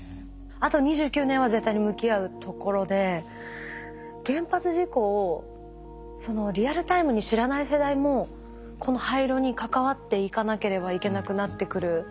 あと２９年は絶対に向き合うところで原発事故をリアルタイムに知らない世代もこの廃炉に関わっていかなければいけなくなってくる。